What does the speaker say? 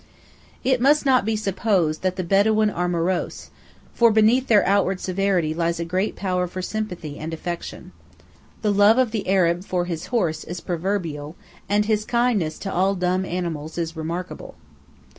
It must not be supposed that the Bedawīn are morose, for beneath their outward severity lies a great power for sympathy and affection. The love of the Arab for his horse is proverbial, and his kindness to all dumb animals is remarkable.